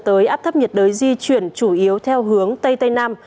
tới áp thấp nhiệt đới di chuyển chủ yếu theo hướng tây tây nam